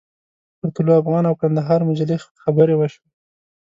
پر طلوع افغان او کندهار مجلې خبرې وشوې.